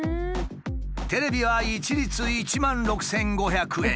テレビは一律１万６，５００円。